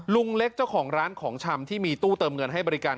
ลุงเล็กเจ้าของร้านของชำที่มีตู้เติมเงินให้บริการ